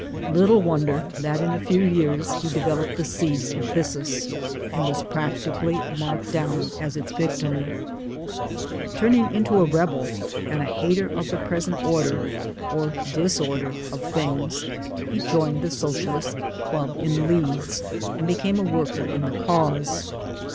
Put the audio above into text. Little wonder that in a few years he developed the seeds of phthisis, and was practically marked down as its victim. Turning into a rebel and a hater of the present order (or disorder) of things, he joined the Socialist club in Leeds and became a worker in the cause.